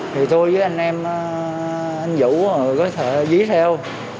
thì tôi với anh em anh vũ có thể dí theo